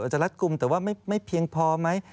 จะรัดกลุ่มแต่ว่าไม่เพียงพอไหม